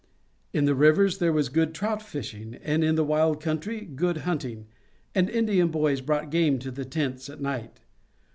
In the rivers there was good trout fishing, and in the wild country good hunting, and Indian boys brought game to the tents at night.